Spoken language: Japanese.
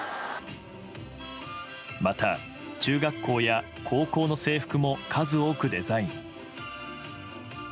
また、中学校や高校の制服も数多くデザイン。